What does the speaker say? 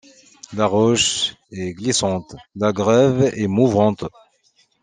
La roche est glissante, la grève est mouvante.